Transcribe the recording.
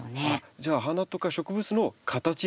じゃあ花とか植物の形なんですね。